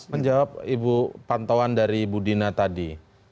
saya ingin menjawab ibu pantauan dari ibu dina tadi